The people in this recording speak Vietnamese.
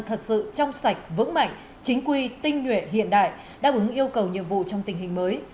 thật sự trong sạch vững mạnh chính quy tinh nhuệ hiện đại đáp ứng yêu cầu nhiệm vụ trong tình hình mới